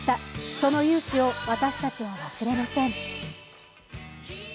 その雄姿は私たちは忘れません。